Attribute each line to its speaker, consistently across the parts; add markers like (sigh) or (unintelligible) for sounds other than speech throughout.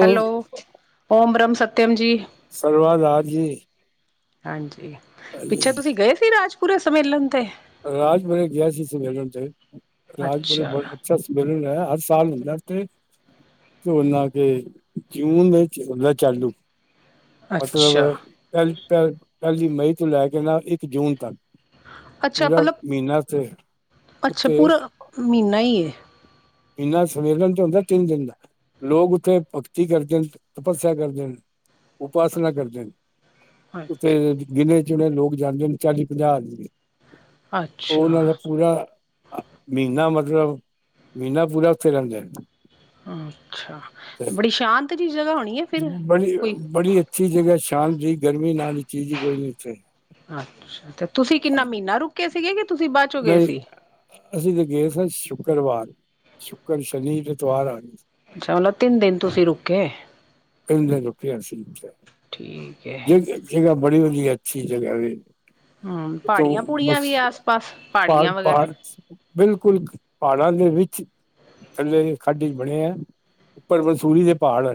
Speaker 1: Hello Om ਬ੍ਰਹਮ ਸਤਿਅਮ ਜੀ।
Speaker 2: ਸਰਲਵਾਦ ਆ ਜੀ।
Speaker 1: ਹਾਂਜੀ ਪਿੱਛੇ ਤੁਸੀਂ ਗਏ ਸੀ ਰਾਜਪੁੁਤੇ ਸੰਮੇਲਨ ਤੇ।
Speaker 2: ਰਾਜਪੁਰੇ ਗਿਆ ਸੀ ਸੰਮੇਲਨ ਤੇ ਰਾਜਪੁਰੇ
Speaker 1: ਅੱਛਾ
Speaker 2: ਬੜਾ ਅੱਛਾ ਸਮੇ ਬਿਲਲ ਹੈ, ਹਰ ਸਾਲ ਹੁੰਦਾ ਇੱਥੇ ਝੋਨਾ ਦੇ ਜੂਨ ਵਿੱਚ, ਹੁੰਦਾ ਚਾਲੂ ਮਤਲਬ,
Speaker 1: ਅੱਛਾ
Speaker 2: ਪਹਿਲੀ-ਪਹਿਲੀ ਮਈ ਤੋਂ ਲੈ ਕੇ ਨਾ ਇੱਕ ਜੂਨ ਤੱਕ
Speaker 1: ਅੱਛਾ,
Speaker 2: ਪੂਰਾ
Speaker 1: ਪਤਲਬ
Speaker 2: ਮਹੀਨਾ ਤੇ
Speaker 1: ਅੱਛਾ
Speaker 2: ਉੱਤੇ
Speaker 1: ਪੂਰਾ ਮਹੀਨਾ ਈ ਏ
Speaker 2: ਇੰਨਾ ਸੰਮੇਲਨ ਤੇ ਹੁੰਦਾ ਤਿੰਨ ਦਿਨ ਦਾ, ਲੋਕ ਉੱਥੇ ਭਗਤੀ ਕਰਦੇ ਨੇ, ਤਪੱਸਿਆ ਕਰਦੇ ਨੇ ਉਪਾਸਨਾ ਕਰਦੇ ਨੇ, ਉੱਥੇ
Speaker 1: ਅੱਛਾ
Speaker 2: ਗਿਣੇ -ਚੁਣੇ ਲੋਕ ਜਾਂਦੇ ਨੇ, ਚਾਲੀ- ਪੰਜਾਹ
Speaker 1: ਅੱਛਾ
Speaker 2: ਉਹਨਾਂ ਦਾ ਪੂਰਾ, ਮਹੀਨਾ ਮਤਲਬ ਮਹੀਨਾ ਪੂਰਾ ਉੱਥੇ ਰਹਿੰਦੇ
Speaker 1: ਅੱਛਾ, ਬੜੀ ਸ਼ਾਂਤ ਜਿਹੀ ਜਗ੍ਹਾ ਹੋਣੀ ਏ
Speaker 2: ਬੜੀ- ਬੜੀ ਅੱਛੀ ਜਗ੍ਹਾ ਸ਼ਾਂਤ ਦੀ ਗਰਮੀ ਨਾਲ ਹੀ ਚੀਜ਼ ਹੀ ਕੋਈ ਨੀ ਉੱਥੇ
Speaker 1: ਅੱਛਾ, ਤੇ ਤੁਸੀਂ
Speaker 2: ਹਾਂ
Speaker 1: ਕਿੰਨਾ ਮਹੀਨਾ ਰੁਕੇ ਸੀਗੇ ਕਿ, ਤੁਸੀਂ ਬਾਅਦ ਚ ਹੋ ਗਏ
Speaker 2: ਨਹੀਂ
Speaker 1: ਸੀ,
Speaker 2: ਅਸੀਂ ਤੇ ਗਏ ਸਾਂ ਸ਼ੁੱਕਰਵਾਰ, ਸ਼ੁੱਕਰ ਸ਼ਨੀ- ਐਤਵਾਰ ਆ ਗਏ
Speaker 1: ਚੱਲੋ, ਤਿੰਨ ਦਿਨ ਤੁਸੀਂ ਰੁਕੇ
Speaker 2: ਤਿਨ ਦਿਨ ਰੁੱਕੇ ਅਸੀਂ ਉਥੇ
Speaker 1: ਠੀਕ ਹੈ
Speaker 2: ਅੱਛੀਬੜੀ ਵਧੀਆ ਅੱਛੀ ਜਗ੍ਹਾ ਏ
Speaker 1: ਹਮ ਪਹਾੜੀਆਂ ਪੂੜੀਆਂ
Speaker 2: ਮਸ
Speaker 1: ਵੀ ਆਸ ਪਾਸ
Speaker 2: ਪਠ
Speaker 1: ਪਹਾੜੀਆਂ
Speaker 2: ਪ
Speaker 1: ਵਗੈਰਾ
Speaker 2: (inaudible) ਬਿਲਕੁਲ, ਪਹਾੜਾਂ ਦੇ ਵਿੱਚ, ਥੱਲੇ ਦੇ ਖੱਡੇ ਬੜੇ ਹੈ, ਪਰ ਮਨਸੂਰੀ ਦੇ ਪਹਾੜ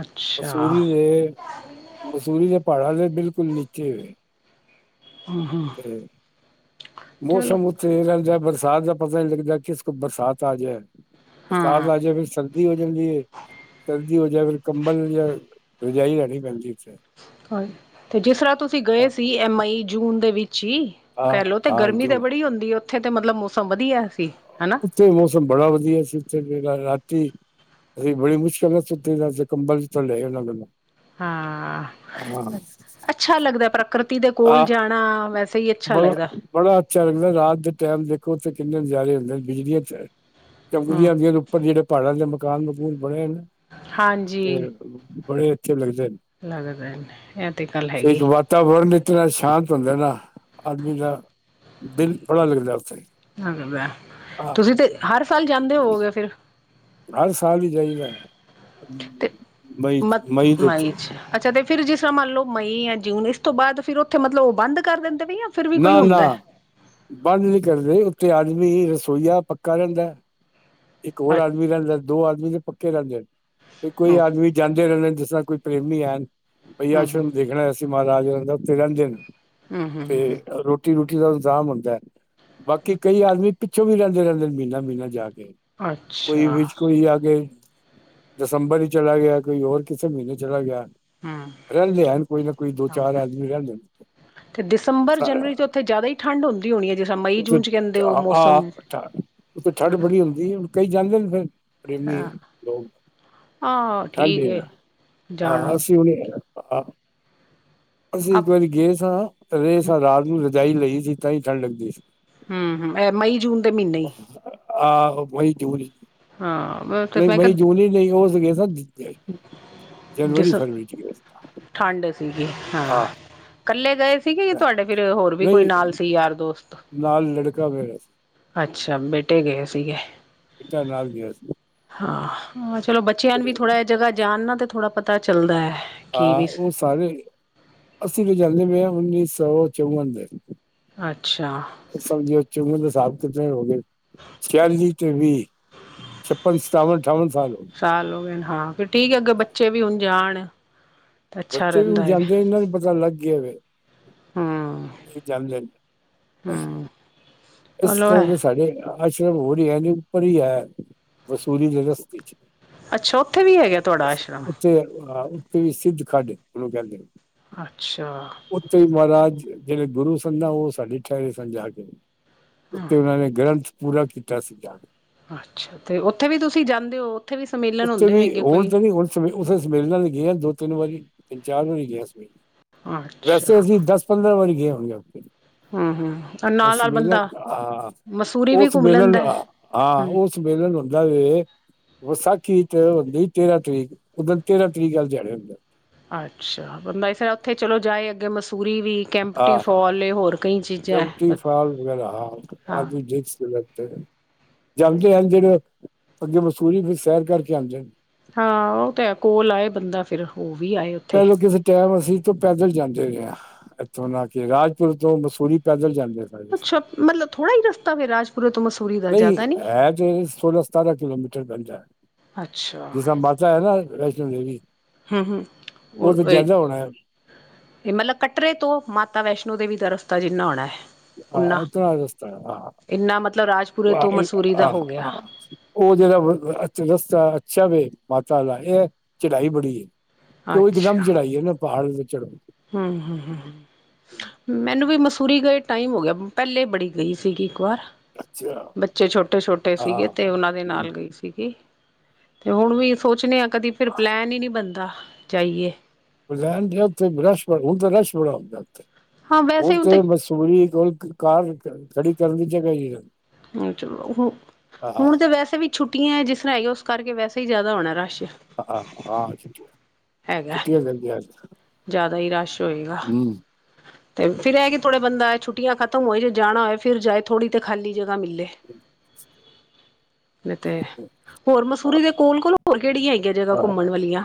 Speaker 1: ਅੱਛਾ।
Speaker 2: ਮਸੂਰੀ ਦੇ ਮਸੂਰੀ ਦੇ ਪਹਾੜਾਂ ਦੇ ਬਿਲਕੁਲ, ਨੀਚੇ ਹੋਏ
Speaker 1: ਹਮ
Speaker 2: ਜ
Speaker 1: ਚਲੋ
Speaker 2: ਮੌਸਮ ਤੇ ਰਹਿੰਦਾ ਬਰਸਾਤ ਦਾ ਪਤਾ ਨੀ ਲੱਗਦਾ, ਕਿਸ ਬਰਸਾਤ ਆ ਜਾਏ ਬਰਸਾਤ
Speaker 1: ਹਾਂ
Speaker 2: ਆ ਜਾਏ, ਫਿਰ ਸਰਦੀ ਹੋ ਜਾਂਦੀ ਏ ਸਰਦੀ ਹੋ ਜਾਏ, ਫਿਰ ਕੰਬਲ ਜਾਂ ਰਜਾਈ ਲੈਹਿਣੀ ਪੈਂਦੀ ਉੱਥੇ
Speaker 1: ਹਾਂ, ਤੇ ਜਿਸ ਤਰ੍ਹਾਂ ਤੁਸੀਂ ਗਏ
Speaker 2: ਹਾਂ
Speaker 1: ਸੀ। ਐ ਮਈ- ਜੂਨ ਦੇ ਵਿੱਚ ਈ
Speaker 2: ਹਾਂ
Speaker 1: ਕਹਿ ਲਓ ਤੇ,
Speaker 2: ਹਾਂ
Speaker 1: ਗਰਮੀ ਤੇ
Speaker 2: ਜੋ
Speaker 1: ਬੜੀ ਹੁੰਦੀ ਉੱਥੇ ਤੇ ਮਤਲਬ, ਮੌਸਮ ਵਧੀਆ ਸੀ ਹਨਾ
Speaker 2: ਉਥੇ ਮੌਸਮ, ਬੜਾ ਵਧੀਆ ਸੀ ਉੱਥੇ ਰਾਤੀ ਅ ਬੜੀ ਮੁਸ਼ਕਿਲ ਨਾਲ, ਸੁਤੇ ਆ ਅਸੀਂ ਕੰਬਲ ਜਿਥੋਂ ਲਏ ਨਾਲੋਂ
Speaker 1: ਹਾਂ, ਅੱਛਾ ਲੱਗਦਾ, ਪ੍ਰਕਿਰਤੀ ਦੇ ਕੋਲ
Speaker 2: ਆ
Speaker 1: ਜਾਣਾ ਵੈਸੇ ਹੀ ਅੱਛਾ ਲੱਗਦਾ।
Speaker 2: ਬੜਾ- ਬੜਾ ਅੱਛਾ ਲੱਗਦਾ, ਰਾਤ ਦੇ ਟਾਈਮ ਦੇਖੋ ਥੇ ਕਿੰਨੇ ਨਜ਼ਾਰੇ, ਹੁੰਦੇ ਨੇ ਬਿਜਲੀ ਤੇ
Speaker 1: ਹੂੰ।
Speaker 2: ਚਮਗਦੀਆਂ ਆਉਂਦੀਆਂ ਨੇ ਉੱਪਰ, ਜਿਹੜੇ ਪਹਾੜਾਂ ਦੇ ਮਕਾਨ- ਮਕੂਨ ਬਣੇ ਨੇ
Speaker 1: ਹਾਂਜੀ।
Speaker 2: ਤੇ ਬੜੇ ਅੱਛੇ, ਲੱਗਦੇ ਨੇ
Speaker 1: ਲੈਣੇ ਪਏ ਨੇ, ਇਹ ਤੇ ਗੱਲ ਹੈ ਹੀ ਏ
Speaker 2: ਇੱਕ ਵਾਤਾਵਰਨ ਇਤਨਾ ਸ਼ਾਂਤ ਹੁੰਦਾ ਨਾ, ਆਦਮੀ ਦਾ ਦਿਲ ਬੜਾ ਲੱਗਦਾ ਉੱਥੇ ਹਾਂ
Speaker 1: ਤੁਸੀਂ ਤੇ, ਹਰ ਸਾਲ ਜਾਂਦੇ, ਹੋਵਗੇ ਫਿਰ
Speaker 2: ਹਰ ਸਾਲ ਹੀ ਜਾਈਦਾ,
Speaker 1: ਤੇ ਮ
Speaker 2: ਮਈ-ਮਈ ਦੇ ਵਿੱਚ
Speaker 1: ਮਈ ਚ ਅੱਛਾ ਤੇ ਫਿਰ, ਜਿਸ ਤਰ੍ਹਾਂ ਮੰਨ ਲਓ ਮਈ ਜਾਂ ਜੂਨ ਇਸ ਤੋਂ ਬਾਅਦ, ਫਿਰ ਉੱਥੇ ਮਤਲਬ ਉਹ, ਬੰਦ ਕਰ ਦਿੰਦੇ ਆ ਜਾਂ ਫਿਰ ਵੀ ਕੋਈ
Speaker 2: ਨਾ-
Speaker 1: ਹੁੰਦਾ।
Speaker 2: ਨਾ ਬੰਦ ਨੀ ਕਰਦੇ, ਉੱਥੇ ਆਦਮੀ ਰਸੋਈਆ ਪੱਕਾ ਰਹਿੰਦਾ ਇੱਕ ਹੋਰ ਆਦਮੀ ਰਹਿੰਦਾ, ਦੋ ਆਦਮੀ ਦੇ ਪੱਕੇ ਰਹਿੰਦੇ ਨੇ, ਵੀ ਕੋਈ
Speaker 1: ਹੂੰ
Speaker 2: ਆਦਮੀ ਜਾਂਦੇ ਰਹਿੰਦੇ ਜਿਸ ਤ੍ਹਾਂ ਕੋਈ ਪ੍ਰੇਮੀ ਐਣ ਬ
Speaker 1: ਹੂੰ।
Speaker 2: ਆਸ਼ਰਮ ਦੇਖਣਾ ਅਸੀਂ ਮਹਾਰਾਜ, ਰਹਿੰਦਾ ਉੱਥੇ ਰਹਿੰਦੇ ਨੇ
Speaker 1: ਹੂੰ ਹੂੰ ਹੂੰ
Speaker 2: ਤੇ ਰੋਟੀ- ਰੂਟੀ ਦਾ ਇਤਜਾਂਮ ਹੁੰਦਾ, ਬਾਕੀ ਕਈ ਆਦਮੀ ਪਿੱਛੋਂ ਵੀ, ਰਹਿੰਦੇ- ਰਹਿੰਦੇ ਮਹੀਨਾ- ਮਹੀਨਾ ਜਾ ਕੇ ਕੋਈ
Speaker 1: ਅੱਛਾ
Speaker 2: ਵਿੱਚ ਕੋਈ ਆ ਕੇ, ਦਸੰਬਰ ਹੀ ਚਲਾ ਗਿਆ, ਕੋਈ ਹੋਰ ਕਿਸੇ ਮਹੀਨੇ ਚਲਾ ਗਿਆ
Speaker 1: ਹੂੰ
Speaker 2: ਰਹਿੰਦੇ ਹਨ, ਕੋਈ ਨਾ ਕੋਈ ਦੋ
Speaker 1: ਹਾਂ
Speaker 2: -ਚਾਰ ਆਦਮੀ ਰਹਿੰਦੇ ਨੇ
Speaker 1: ਤੇ ਦਸੰਬਰ, ਜਨਵਰੀ ਚ ਉੱਥੇ ਜ਼ਿਆਦਾ ਹੀ ਠੰਢ ਹੁੰਦੀ ਹੋਣੀ ਐ ਜਿਸ ਤਰ੍ਹਾਂ ਮਈ, ਜੂਨ ਚ ਕਹਿੰਦੇ ਓ ਮੌਸਮ
Speaker 2: ਉਥੇ ਠੰਡ
Speaker 1: ਹਨਾ
Speaker 2: ਬੜੀ ਹੁੰਦੀ ਹੁਣ ਕਈ ਜਾਂਦੇ ਨੇ ਫਿਰ
Speaker 1: ਹਾਂ
Speaker 2: (unintelligible) ਲੋਕ
Speaker 1: ਆਹ
Speaker 2: (unintelligible)
Speaker 1: ਠੀਕ ਹੈ
Speaker 2: ਆਹ
Speaker 1: ਜਾਣਾ
Speaker 2: ਅਸੀਂ ਹੁਣ ਆ ਅਸੀਂ
Speaker 1: ਆਪ
Speaker 2: ਇੱਕ ਵਾਰੀ ਗਏ ਸਾਂ। (unintelligible) ਰਾਤ ਨੂੰ ਰਜਾਈ ਲਈ ਸੀ ਤਾਂ ਹੀ ਠੰਡ ਲੱਗਦੀ ਸੀ
Speaker 1: ਹੂੰ ਹੂੰ, ਇਹ ਮਈ ਜੂਨ ਦੇ ਮਹੀਨੇ ਹੀ।
Speaker 2: ਆਹੋ ਮਈ, ਜੂਨ
Speaker 1: ਹਾਂ ਤੇ
Speaker 2: ਨਹੀਂ
Speaker 1: ਮੈਂ
Speaker 2: ਮਈ ਜੂਨ
Speaker 1: ਕਿਹਾ
Speaker 2: ਵਿੱਚ ਨੀ ਉਹ ਸੀ (unintelligible) ਗਏ
Speaker 1: (unintelligible) ਠੰਡ ਸੀਗੀ
Speaker 2: ਸਾਂ
Speaker 1: ਹਾਂ।
Speaker 2: ਆ
Speaker 1: ਇਕੱਲੇ ਗਏ ਸੀਗੇ ਜਾਂ ਤੁਹਾਡੇ ਫਿਰ ਹੋਰ ਵੀ ਕੋਈ
Speaker 2: ਨਹੀਂ
Speaker 1: ਨਾਲ ਸੀ ਯਾਰ ਦੋਸਤ।
Speaker 2: ਨਾਲ ਲੜਕਾ ਮੇਰਾ ਸੀ
Speaker 1: ਅੱਛਾ ਬੇਟੇ ਗਏ ਸੀਗੇ।
Speaker 2: ਬੇਟਾ ਨਾਲ ਗਿਆ ਸੀ
Speaker 1: ਹਾਂ ਹਾਂ, ਚਲੋ ਬੱਚਿਆਂ ਨੂੰ ਵੀ ਥੋੜ੍ਹਾ
Speaker 2: ਉਹਦੇ-
Speaker 1: ਏ ਜਗ੍ਹਾ ਜਾਣ ਨਾ ਤੇ ਥੋੜ੍ਹਾ ਪਤਾ ਚੱਲਦਾ। ਕੀ
Speaker 2: ਹਾਂ,
Speaker 1: ਵੀ
Speaker 2: ਓ ਸਾਰੇ ਅਸੀਂ ਤੋਂ ਜਾਂਦੇ ਪਏ ਉੱਨੀ ਸੌ ਚੌਵਨ ਦੇ।
Speaker 1: ਅੱਛਾ।
Speaker 2: ਸਮਝੋ (unintelligible) ਕਿਤੇ ਹੋ ਗਏ (unintelligible) ਤੇ ਵੀਹ। ਛੱਪਨ ਸਤਾਵਨ ਅਠਾਵਨ ਸਾਲ ਹੋ।
Speaker 1: ਸਾਲ ਹੋ ਗਏ ਹਾਂ ਫਿਰ ਠੀਕ ਐ ਅੱਗੇ ਬੱਚੇ ਵੀ ਹੁਣ ਜਾਣ। ਤਾਂ ਅੱਛਾ
Speaker 2: ਬੱਚੇ ਵੀ
Speaker 1: ਰਹਿੰਦਾ
Speaker 2: ਹੁਣ
Speaker 1: ਹੈ
Speaker 2: ਜਾਂਦੇ ਇਹਨਾਂ ਨੂੰ ਪਤਾ ਲੱਗ ਗਿਆ ਵੇ।
Speaker 1: ਹਾਂ,
Speaker 2: ਏ ਜਾਂਦੇ ਨੇ। ਇਸ
Speaker 1: ਚਲੋ
Speaker 2: ਤਰ੍ਹਾਂ
Speaker 1: ਹੈ
Speaker 2: ਦੇ ਸਾਡੇ ਆਸ਼ਰਮ ਹੋਰ ਹੀ ਐ ਉੱਪਰ ਹੀ ਐ ਵਸੂਲੀ ਦੇ ਰਸਤੇ ਚ
Speaker 1: ਅੱਛਾ ਉੱਥੇ ਵੀ ਹੈਗਾ ਤੁਹਾਡਾ ਆਸ਼ਰਮ।
Speaker 2: (unintelligible) ਉੱਥੇ ਵੀ ਸਿੱਧ ਕੱਢ ਉਹਨੂੰ ਕਹਿੰਦੇ।
Speaker 1: ਅੱਛਾ,
Speaker 2: ਉੱਥੇ ਹੀ ਮਹਾਰਾਜ ਜਿਹੜੇ ਗੁਰੂ ਸਨ ਨਾ ਓ ਸਾਡੇ ਠਹਿਰੇ ਸਨ ਜਾ ਕੇ। ਉੱਥੇ ਉਹਨਾਂ ਨੇ ਗ੍ਰੰਥ ਪੂਰਾ ਕੀਤਾ ਸੀਗਾ।
Speaker 1: ਅੱਛਾ, ਤੇ ਉੱਥੇ ਵੀ ਤੁਸੀਂ ਜਾਂਦੇ ਓ ਉੱਥੇ ਵੀ ਸੰਮੇਲਨ ਹੁੰਦੇ ਹੋਏਗੇ ਕੋਈ।
Speaker 2: ਉੱਥੇ ਉੱਥੇ ਸੰਮੇਲਨਾਂ ਗਿਆ ਦੋ ਤਿੰਨ ਵਾਰੀ ਤਿੰਨ ਚਾਰ ਵਾਰੀ ਗਿਆ ਸੰਮੇਲਨ ਵੈਸੇ
Speaker 1: ਅੱਛਾ
Speaker 2: ਅਸੀਂ ਦਸ ਪੰਦਰਾਂ ਵਾਰੀ ਗਏ ਹੋਣੇ ਹਫ਼ਤੇ ਚ।
Speaker 1: ਹਮ ਹਮ
Speaker 2: ਓ
Speaker 1: ਨਾਲ ਨਾਲ
Speaker 2: ਸੰਮੇਲਨ
Speaker 1: ਬੰਦਾ
Speaker 2: ਹਾਂ
Speaker 1: ਮਸੂਰੀ
Speaker 2: ਓ
Speaker 1: ਵੀ ਘੁੰਮ
Speaker 2: ਸੰਮੇਲਨ
Speaker 1: ਲੈਂਦਾ
Speaker 2: ਹਾਂ
Speaker 1: ਹਮ
Speaker 2: ਓ ਸੰਮੇਲਨ ਹੁੰਦਾ ਵੈ ਓ ਸੱਚ, ਕੀ ਹੁੰਦੀ ਤੇਰਾਂ ਤਰੀਕ ਉਧਰ ਤੇਰਾਂ ਤਰੀਕ ਨਾਲ ਜਾਣਿਆ ਹੁੰਦਾ।
Speaker 1: ਅੱਛਾ ਬੰਦਾ ਇਸ ਫੇਰ ਉੱਥੇ ਚਲੋ ਜਾਏ ਅੱਗੇ ਮਸੂਰੀ ਵੀ ਕੈਂਪਟੀ ਫੋਲ ਐ ਹੋਰ। ਕਈ ਚੀਜ਼ਾਂ
Speaker 2: ਕੈਮਟੀ
Speaker 1: ਹੈ।
Speaker 2: ਫੋਲ ਵਗੈਰਾ ਹਾਂ (unintelligible) ਸੀਗਾ ਓਥੇ। ਜਾਂਦੇ ਆਂਦੇ ਰਹੋ ਅੱਗੇ ਮਸੂਰੀ ਦੀ ਸੈਰ ਕਰਕੇ ਆਂਦੇ ਹਨ।
Speaker 1: ਹਾਂ, ਉਹ ਤੇ ਹੈ ਕੋਲ ਆਏ ਬੰਦਾ ਫਿਰ ਓ ਵੀ ਆਏ। ਉੱਥੇ
Speaker 2: ਪਹਿਲੇ ਕਿਸੇ ਟਾਈਮ ਅਸੀਂ ਤੇ ਪੈਦਲ ਜਾਂਦੇ ਰਹੇ ਆ ਇੱਥੋਂ ਨਾ ਕੇ ਰਾਜਪੁਰ ਤੋਂ ਮਸੂਰੀ ਪੈਦਲ ਜਾਂਦੇ।
Speaker 1: ਅੱਛਾ ਮਤਲਬ ਥੋੜਾ ਹੀ ਰਸਤਾ ਫਿਰ ਰਾਜਪੁਰੇ ਤੋਂ ਮਸੂਰੀ ਦਾ
Speaker 2: ਨਹੀਂ,
Speaker 1: ਜ਼ਿਆਦਾ ਨੀ
Speaker 2: ਹੈ ਤੇ ਸੋਲਾਂ ਸਤਾਰਾਂ ਕਿਲੋਮੀਟਰ ਪੈਂਦਾ
Speaker 1: ਅੱਛਾ
Speaker 2: ਜਿਸ ਤਰ੍ਹਾਂ ਮਾਤਾ ਹੈ ਨਾ ਵੈਸ਼ਨੋ ਦੇਵੀ।
Speaker 1: ਹੂੰ ਹੂੰ, ਓ
Speaker 2: ਉਹ ਤਾਂ
Speaker 1: ਓਹੀ।
Speaker 2: ਜ਼ਿਆਦਾ ਹੋਣਾ ਹੈ।
Speaker 1: ਇਹ ਮਤਲਬ ਕੱਟਰੇ ਤੋਂ ਮਾਤਾ ਵੈਸ਼ਨੋ ਦੇਵੀ ਦਾ ਰਸਤਾ ਜਿੰਨਾ ਹੋਣਾ।
Speaker 2: ਹਾਂ
Speaker 1: ਓਨਾ
Speaker 2: ਇਤਨਾ ਰਸਤਾ
Speaker 1: ਇੰਨਾ ਮਤਲਬ ਰਾਜਪੁਰੇ ਤੋਂ ਮਸੂਰੀ ਦਾ ਹੋ ਗਿਆ
Speaker 2: (unintelligible) ਉਹ ਜਿਹੜਾ ਰਸਤਾ ਅੱਛਾ ਵੇ ਮਾਤਾ ਦਾ ਏ ਚੜਾਈ ਬੜੀ ਐ। ਕਿ ਉਹ ਇੱਕ ਦਮ
Speaker 1: ਅੱਛਾ
Speaker 2: ਚੜਾਈਏ ਨਾ ਪਹਾੜ ਤੇ ਚੜ੍ਹਨ।
Speaker 1: ਹੂੰ ਹੂੰ ਹੂੰ ਹੂੰ। ਮੈਨੂੰ ਵੀ ਮਸੂਰੀ ਗਏ ਟਾਈਮ ਹੋ ਗਿਆ ਪਹਿਲੇ ਬੜੀ ਗਈ ਸੀਗੀ ਇੱਕ ਵਾਰ ਬੱਚੇ ਛੋਟੇ ਛੋਟੇ ਸੀਗੇ ਤੇ ਉਨਾਂ ਦੇ ਨਾਲ ਗਈ ਸੀ। ਸੀਗੀ ਤੇ ਹੁਣ ਵੀ ਸੋਚਣੇ ਆ ਕਦੀ ਫਿਰ ਪਲੈਨ ਹੀ ਨਹੀਂ ਬਣਦਾ ਜਾਈਏ।
Speaker 2: ਪਲੈਨ ਦਾ ਉਥੇ ਰਸ਼ ਤਾਂ ਬੁਹਤ, ਤਾਂ ਰਸ਼ ਬੜਾ ਹੁੰਦਾ ਉਥੇ ਹੁਣ ਤੇ ਬਸ ਉਹੀ ਕੋਲ ਕਾਰ ਖੜੀ ਕਰਨ ਦੀ ਜਗ੍ਹਾ ਨਹੀ ਹ
Speaker 1: ਨਹੀਂ ਚਲੋ ਹੁ ਹੁਣ ਤੇ ਵੈਸੇ ਵੀ ਛੁੱਟੀਆਂ ਜਿਸ ਤਰ੍ਹਾਂ ਹੀ ਹੈਗੀ ਆ ਉਸ ਕਰਕੇ ਵੈਸੇ ਹੀ ਜ਼ਿਆਦਾ ਹੋਣਾ ਰਸ਼
Speaker 2: ਹ ਆਹ ਛੁੱ
Speaker 1: ਹੈਗਾ
Speaker 2: ਛੁੱਟੀਆਂ ਪੈਂਦੀ ਆ
Speaker 1: ਜ਼ਿਆਦਾ ਹੀ ਰਸ਼ ਹੋਏਗਾ। ਤੇ ਫੇਰ ਇਹ ਕਿ ਥੋੜਾ ਬੰਦਾ ਛੁੱਟੀਆਂ ਖਤਮ ਹੋਏ ਜੇ ਜਾਣਾ ਹੋਵੇ ਫਿਰ ਜਾਏ ਥੋੜ੍ਹੀ ਤੇ ਖਾਲੀ ਜਗ੍ਹਾ ਮਿਲੇ।
Speaker 2: ਹ
Speaker 1: ਤੇ ਹੋਰ ਮਸੂਰੀ ਦੇ ਕੋਲ ਕੋਲ ਹੋਰ ਕਿਹੜੀਆਂ ਹੈਗੀਆਂ ਜਗ੍ਹਾ ਘੁੰਮਣ ਵਾਲੀਆਂ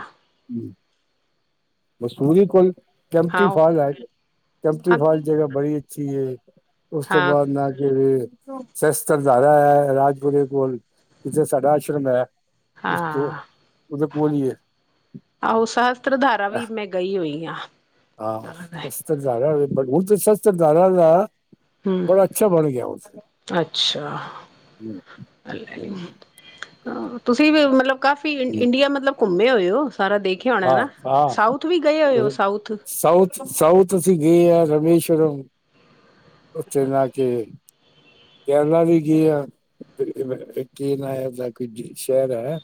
Speaker 2: ਮਸੂਰੀ ਕੋਲ ਕੈਮਪਟੀ
Speaker 1: ਹਾਂ ਉਹ
Speaker 2: ਫਾਲ ਹੈ ਕੈਮਪਟੀ
Speaker 1: ਹਾਂ
Speaker 2: ਫਾਲ ਜਗ੍ਹਾ ਬੜੀ ਅੱਛੀ ਹੈ ਉਸ ਤੋਂ
Speaker 1: ਹਾਂ
Speaker 2: ਬਾਅਦ ਨਾ ਕਿ ਸਸਤਰਦਾਰਾ ਹੈ ਰਾਜਪੁਰੇ ਕੋਲ ਜਿੱਥੇ ਸਾਡਾ ਆਸ਼ਰਮ ਹੈ। ਉਸ ਤੋਂ
Speaker 1: ਹਾਂ
Speaker 2: ਉਦੇ ਕੋਲ ਹੀ ਹੈ
Speaker 1: ਆਹੋ ਸ਼ਸਤਰਧਾਰਾ ਵੀ ਮੈਂ ਗਈ ਹੋਈ ਹਾਂ
Speaker 2: ਸਸਤਧਾਰਾ ਵੇ ਪਰ ਹੁਣ ਸਸਤਧਾਰਾ ਦਾ
Speaker 1: ਹਮ
Speaker 2: ਬੜਾ ਅੱਛਾ ਬਣ ਗਿਆ ਉੱਥੇ
Speaker 1: ਅੱਛਾ ਹਾਂ ਤੁਸੀਂ ਵੀ ਮਤਲਬ ਕਾਫੀ ਇੰਡੀਆ ਮਤਲਬ ਘੁੰਮੇ ਹੋਏ ਹੋ ਸਾਰਾ ਦੇਖਿਆ ਹੋਉਣਾ
Speaker 2: ਹਾਂ
Speaker 1: ਨਾ
Speaker 2: ਹਾਂ
Speaker 1: ਸਾਊਥ ਵੀ ਗਏ ਹੋਏ ਹੋ ਸਾਊਥ
Speaker 2: ਸਾਊਥ ਸਾਊਥ ਅਸੀਂ ਗਏ ਆ ਰਮੇਸ਼ਵੁਰਮ ਉੱਥੇ ਨਾ ਕੇ ਕੇਰਲਾ ਵੀ ਗਏ ਆ, ਕੀ ਨਾ ਦਾ ਕੋਈ ਸ਼ਹਿਰ ਹੈ।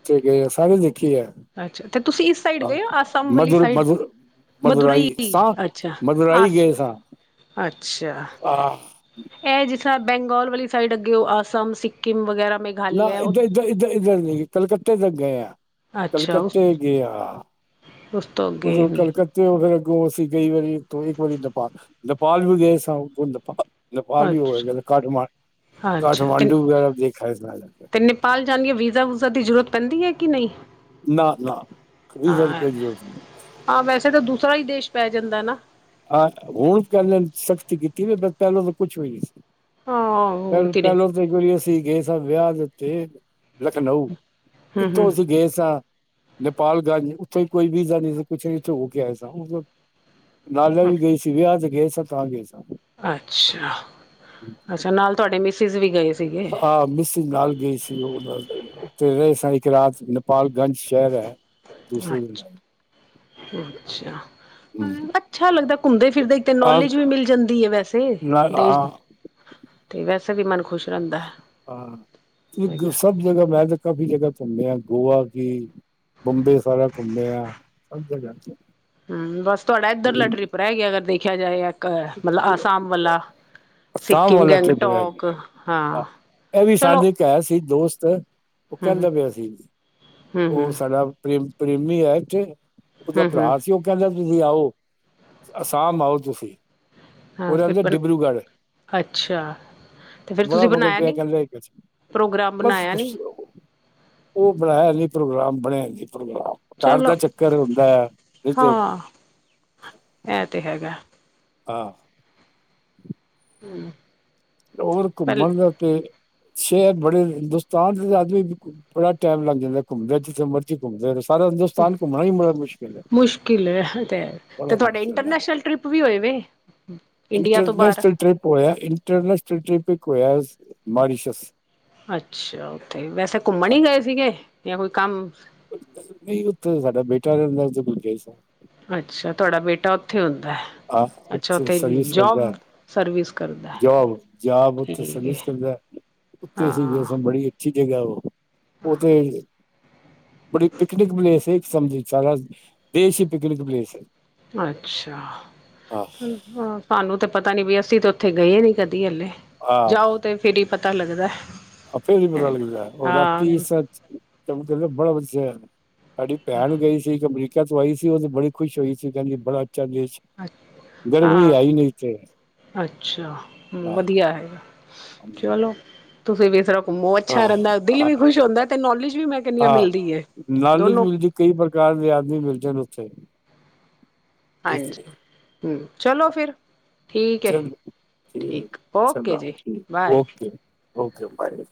Speaker 2: ਉਥੇ ਗਏ ਸਾਰੇ ਦੇਖੇ ਆ।
Speaker 1: ਅੱਛਾ ਤੇ ਤੁਸੀਂ ਇਸ ਸਾਈਡ ਗਏ ਹੋ ਆਸਾਮ ਵਾਲੀ ਸਾਈਡ ਮਧੂਰਈ ਅੱਛਾ ਅੱਛਾ ਇਹ ਜਿਸ ਤਰ੍ਹਾਂ ਬੈਂਗਾਲ ਵਾਲੀ ਸਾਈਡ ਅੱਗੇ ਉਹ ਆਸਮ ਸਿੱਕਿਮ ਵਗੈਰਾ ਮੈਂ
Speaker 2: ਨਾ, ਇੱਧਰ-ਇੱਧਰ, ਇੱਧਰ ਨਹੀਂ ਕਲਕੱਤੇ ਤੱਕ ਗਏ ਆ
Speaker 1: ਅੱਛਾ ਉਸ
Speaker 2: ਕਲਕੱਤੇ ਗਏ ਆ
Speaker 1: ਉਸ ਤੋਂ ਅੱਗੇ
Speaker 2: ਉਧਰ
Speaker 1: ਨੀ
Speaker 2: ਕਲਕੱਤੇ ਹੋ ਫਿਰ ਅੱਗੋਂ ਅਸੀ ਵਾਰੀ ਇੱਕ ਵਾਰੀ ਨੇਪਾਲ ਨੇਪਾਲ ਵੀ ਗਏ ਸਾ ਨੇਪਾਲ ਨੇਪਾਲ ਹੀ ਹੋਵੇਗਾ
Speaker 1: ਅੱਛਾ
Speaker 2: ਕਠਮਾਂ
Speaker 1: ਅੱਛਾ ਤੇ
Speaker 2: ਕਾਠਮਾਂਡੂ ਵਗੈਰਾ ਦੇਖਾ
Speaker 1: ਤੇ ਨੇਪਾਲ ਜਾਂਦੀਏ ਵੀਜ਼ਾ ਵੂਜ਼ਾ ਦੀ ਜ਼ਰੂਰਤ ਪੈਂਦੀ ਹੈ ਕਿ ਨਹੀਂ
Speaker 2: ਨਾ ਨਾ ਵੀਜ਼ਾ ਦੀ
Speaker 1: ਹਾਂ
Speaker 2: ਕੋਈ ਜਰੂਰਤ ਨਹੀਂ।
Speaker 1: ਹਾਂ ਵੈਸੇ ਤਾਂ ਦੂਸਰਾ ਹੀ ਦੇਸ਼ ਪੈ ਜਾਂਦਾ ਨਾ।
Speaker 2: ਆਹ ਹੁਣ ਪਹਿਲਾ ਤੋਂ ਸਖਤੀ ਕੀਤੀ ਹੈ ਪਹਿਲਾਂ ਤਾਂ ਕੁਛ ਵੀ ਨਹੀ ਸੀ।
Speaker 1: ਹਾਂ ਹੁਣ
Speaker 2: ਪਹਿ
Speaker 1: ਧੀਰੇ
Speaker 2: ਪਹਿਲੋਂ ਤਾਂ ਇੱਕ ਵਾਰੀ ਅਸੀਂ ਗਏ ਸਭ ਵਿਆਹ ਦੇ ਉੱਤੇ ਲਖਨਊ
Speaker 1: ਹੂੰ
Speaker 2: ਇਥੋਂ ਅਸੀਂ
Speaker 1: ਹੂੰ
Speaker 2: ਗਏ ਸਾਂ ਨੇਪਾਲ ਗੰਜ ਉੱਥੇ ਕੋਈ ਵੀਜ਼ਾ ਨਹੀਂ ਸੀ ਕੁਛ ਨਹੀਂ ਉਥੇ ਹੋ ਕੇ ਆਏ ਸਾਂ। ਨਾਲੇ ਵੀ ਗਈ ਸੀ ਵਿਆਹ ਤੇ ਗਏ ਸਾਂ ਤਾਂ ਗਏ ਸਾਂ
Speaker 1: ਅੱਛਾ ਅੱਛਾ ਨਾਲ ਤੁਹਾਡੇ ਮਿਸਿਸ ਵੀ ਗਏ ਸੀ।
Speaker 2: ਹਾਂ ਮੀਸਿਸ ਨਾਲ ਗਈ ਸੀ। ਪਿਓ ਦਾਦੇ ਉਥੇ ਰਹੇ ਸਾਂ ਇੱਕ ਰਾਤ ਨੇਪਾਲ ਗੰਜ ਸ਼ੈਰ ਐ ਦੂਸਰੇ
Speaker 1: ਅੱਛ
Speaker 2: ਦਿਨ
Speaker 1: ਅੱਛਾ।
Speaker 2: ਆਏ।
Speaker 1: ਅੱਛਾ ਲੱਗਦਾ ਘੁੰਮਦੇ ਫਿਰਦੇ ਇੱਕ ਤੇ
Speaker 2: ਆਹ
Speaker 1: ਨੌਲੇਜ ਵੀ ਮਿਲ ਜਾਂਦੀ ਐ ਵੈਸੇ
Speaker 2: ਨਾ,
Speaker 1: ਦੇਸ਼ ਤੇ ਵੈਸੇ ਵੀ ਮਨ ਖੁਸ਼ ਰਹਿੰਦਾ।
Speaker 2: ਹਾਂ ਨੀ
Speaker 1: ਹੈਗਾ
Speaker 2: ਸਭ ਜਗ੍ਹਾ ਮੈਂ ਤਾਂ ਕਾਫ਼ੀ ਜਗ੍ਹਾ ਘੁੰਮਿਆ ਗੋਆ ਕੀ। ਬੰਬੇ ਸਾਰਾ ਘੁੰਮੇਆ ਸਭ ਜਗਾ।
Speaker 1: ਹੂੰ ਬਸ ਤੁਹਾਡਾ ਇੱਧਰਲਾ ਟ੍ਰਿਪ ਰਹਿ ਗਿਆ ਅਗਰ ਦੇਖਿਆ ਜਾਏ ਇੱਕ ਮਤਲਬ ਆਸਾਮ ਵਾਲਾ।
Speaker 2: ਅਸਾਮ
Speaker 1: ਸਿੱਕਿਮ,
Speaker 2: ਵਾਲਾ ਟ੍ਰਿਪ ਰਹਿ
Speaker 1: ਗੈਂਗਟੋਕ ਹਾਂ ਚਲੋ।
Speaker 2: ਇਕ ਹੈ ਸੀ ਦੋਸਤ ਓਹ
Speaker 1: ਹਮ
Speaker 2: ਕੈਂਦਾ ਪਿਆ ਸੀ
Speaker 1: ਹਮ
Speaker 2: ਓ
Speaker 1: ਹਮ
Speaker 2: ਸਾਡਾ ਪ੍ਰੇ ਪ੍ਰੇਮੀ ਐਥੇ ਉਦਾ
Speaker 1: ਹਮ ਹਮ
Speaker 2: ਭਰਾ ਸੀ ਓ ਕੈਂਦਾ ਤੁਸੀਂ ਆਓ ਅਸਾਮ ਆਓ ਤੁਸੀਂ। ਉਹ
Speaker 1: ਹਾਂ ਫਿਰ
Speaker 2: ਰਹਿੰਦੇ
Speaker 1: ਬਣ
Speaker 2: ਡਿਬਰੂਗੜ੍ਹ।
Speaker 1: ਅੱਛਾ ਤੇ ਫਿਰ
Speaker 2: ਬੜਾ
Speaker 1: ਤੁਸੀਂ
Speaker 2: ਮਗਰ
Speaker 1: ਬਣਾਇਆ
Speaker 2: ਪਿਆ
Speaker 1: ਨੀ
Speaker 2: ਕੈਂਦੇ
Speaker 1: ਪ੍ਰੋਗਰਾਮ
Speaker 2: ਬਸ
Speaker 1: ਬਣਾਇਆ
Speaker 2: ਕੁਛ
Speaker 1: ਨੀ
Speaker 2: ਓ ਬਣਾਇਆ ਨੀ ਪ੍ਰੋਗਰਾਮ ਬਣਿਆ ਨੀ ਪ੍ਰੋਗਰਾਮ ਘਰ ਦਾ
Speaker 1: ਚਲੋ
Speaker 2: ਚੱਕਰ ਹੁੰਦੈ ਨਈ ਤੇ
Speaker 1: ਐ ਤੇ ਹੈਗਾ।
Speaker 2: ਆ
Speaker 1: ਹੂੰ।
Speaker 2: ਹੋਰ ਘੁੰਮਣ ਦਾ ਤੇ ਸ਼ੈਰ ਬੜੇ ਹਿੰਦੁਸਤਾਨ ਦੇ ਆਦਮੀ ਬੜਾ ਟੈਮ ਲੱਗ ਜਾਂਦਾ ਘੁੰਮਦੇ ਜਿੱਥੇ ਮਰ ਜੀ ਘੁੰਮਦੇ ਸਾਰਾ ਹਿੰਦੂਸਤਾਨ ਘੁੰਮਣਾ ਈ ਬੜਾ ਮੁਸ਼ਕਿਲ ਏ
Speaker 1: ਮੁਸ਼ਕਿਲ
Speaker 2: ਬੜਾ ਮੁਸ਼ਕਿਲ ਐ।
Speaker 1: ਤੁਸੀ ਵੀ ਹੋਏ ਵੇ। ਇੰਡੀਆ ਤੋਂ ਬਾਹਰ
Speaker 2: ਇੰਟਰਨੈਸ਼ਨਲ ਟ੍ਰਿਪ ਹੋਇਆ ਇੰਟਰਨੈਸ਼ਨਲ ਟ੍ਰਿਪ ਇੱਕ ਹੋਇਆ ਮਾਰੀਸ਼ਸ।
Speaker 1: ਅੱਛਾ ਉੱਥੇ ਵੈਸੇ ਘੁੰਮਣ ਈ ਗਏ ਸੀਗੇ ਯਾਂ ਕੋਈ ਕੰਮ?
Speaker 2: ਨਈ ਉਥੇ ਤੇ ਸਾਡਾ ਬੇਟਾ ਰਹਿੰਦਾ ਤੇ ਓਦੇ ਕੋਲ ਗਏ ਸੀ।
Speaker 1: ਅੱਛਾ ਤੁਹਾਡਾ ਬੇਟਾ ਉੱਥੇ ਹੁੰਦੈ।
Speaker 2: ਆਪ ਉੱਥੇ ਸਰਵਿਸ ਕਰਦੈ
Speaker 1: ਸਰਵਿਸ ਕਰਦਾ ਹੈ।
Speaker 2: ਜੋਬ ਜਾਬ ਉੱਥੇ
Speaker 1: ਠੀਕ ਹੈ
Speaker 2: ਸਰਵਿਸ ਕਰਦੈ। ਉੱਥੇ ਸੀਗੇ
Speaker 1: ਹਾਂ
Speaker 2: ਸਬ ਬੜੀ ਅੱਛੀ ਜਗ੍ਹਾ ਓਹ ਓਥੇ ਤੇ ਬੜੀ ਪਿਕਨਿਕ ਪਲੇਸ ਏ ਇੱਕ ਸਮਝ ਸਾਰਾ ਦੇਸ਼ ਈ ਪਿਕਨਿਕ ਪਲੇਸ ਏ।
Speaker 1: ਅੱਛਾ ਹੂੰ। ਹਾਂ ਸਾਨੂੰ ਤੇ ਪਤਾ ਨੀ ਵੀ ਅਸੀਂ ਤੇ ਉੱਥੇ ਗਏ ਨੀ ਕਦੀ ਹੱਲੇ ਜਾਓ ਤੇ ਫਿਰ ਈ ਪਤਾ ਲੱਗਦੈ।
Speaker 2: ਆਪੇ ਵੀ ਪਤਾ ਲੱਗਦੈ ਓ ਰਾਤੀ ਸਚ ਬੜਾ ਵਧੀਆ ਏ ਸਾਡੀ ਭੈਣ ਗਈ ਸੀ ਇੱਕ ਅਮਰੀਕਾ ਤੋਂ ਆਈ ਸੀ ਓ ਤੇ ਬੜੀ ਖੁਸ਼ ਹੋਈ ਸੀ ਕਹਿੰਦੀ ਬੜਾ ਅੱਛਾ ਦੇਸ਼। ਗਰਡ ਵੀ
Speaker 1: ਹਾਂ
Speaker 2: ਆਈ ਨੀਚੇ
Speaker 1: ਅੱਛਾ ਵਧੀਆ ਏ ਚਲੋ। ਤੁਸੀਂ ਵੀ ਤਰ੍ਹਾਂ ਘੁੰਮੋ ਅੱਛਾ ਰੈਂਦਾ ਦਿਲ ਵੀ ਖੁਸ਼ ਹੁੰਦੈ ਤੇ ਨੌਲੇਜ ਵੀ ਮੈਂ ਕੈਨੀ ਆ
Speaker 2: ਹਾਂ
Speaker 1: ਮਿਲਦੀ ਏ
Speaker 2: ਨੌਲੇਜ
Speaker 1: ਦੋਨੋ
Speaker 2: ਮਿਲਦੀ ਕਈ ਪ੍ਰਕਾਰ ਦੇ ਆਦਮੀ ਮਿਲਦੇ ਨੇ ਉੱਥੇ।
Speaker 1: ਹਾਂਜੀ ਹੂੰ ਚਲੋ ਫਿਰ। ਠੀਕ ਹੈ
Speaker 2: ਚਲੋ ਠੀਕ ਐ ਜੀ
Speaker 1: ਓਕੇ
Speaker 2: ਚੰਗਾ
Speaker 1: ਜੀ
Speaker 2: ਠੀਕ
Speaker 1: ਬਾਏ।
Speaker 2: Okay okay bye